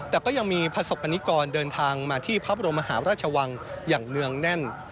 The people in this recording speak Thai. แต่ก็ยังมีประสบกรณิกรเดินทางมาที่พระบรมมหาราชวังอย่างเนื่องแน่น